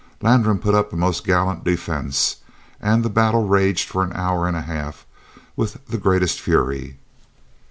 Landram put up a most gallant defence, and the battle raged for an hour and a half with the greatest fury.